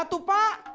ya udah pak